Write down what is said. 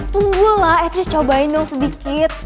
tunggulah at least cobain dong sedikit